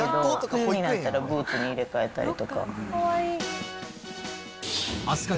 冬になったらブーツに入れ替えたりとか。